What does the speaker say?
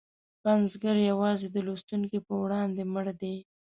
پنځګر یوازې د لوستونکي په وړاندې مړ دی.